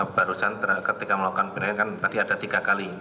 barusan ketika melakukan penilaian kan tadi ada tiga kali